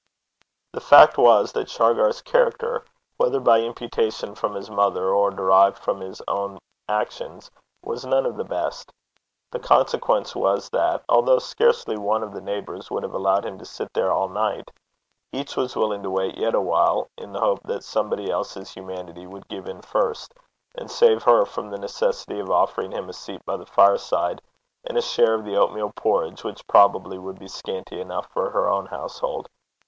The fact was, that Shargar's character, whether by imputation from his mother, or derived from his own actions, was none of the best. The consequence was, that, although scarcely one of the neighbours would have allowed him to sit there all night, each was willing to wait yet a while, in the hope that somebody else's humanity would give in first, and save her from the necessity of offering him a seat by the fireside, and a share of the oatmeal porridge which probably would be scanty enough for her own household.